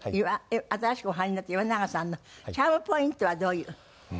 新しくお入りになった岩永さんのチャームポイントはどういう？